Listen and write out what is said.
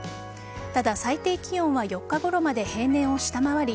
ただ、最低気温は４日ごろまで平年を下回り